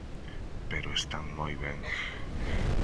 Pero están moi ben.